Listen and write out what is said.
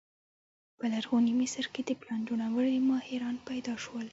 په لرغوني مصر کې د پلان جوړونې ماهران پیدا شول.